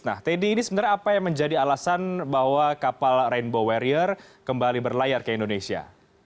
nah teddy ini sebenarnya apa yang menjadi alasan bahwa kapal rainbow warrior kembali berlayar ke indonesia